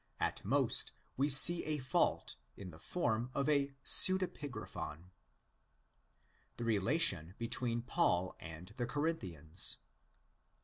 At most we see a fault in the form of the pseudepigraphon. The Relation between Paul and the Corinthians.